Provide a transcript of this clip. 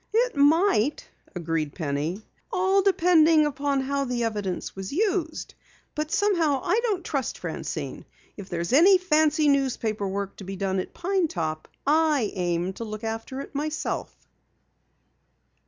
"It might," agreed Penny, "all depending upon how the evidence was used. But somehow, I don't trust Francine. If there's any fancy newspaper work to be done at Pine Top, I aim to look after it myself!"